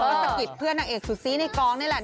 เพราะสะกิดเพื่อนนักเอกสุศีในกองนี่แหละ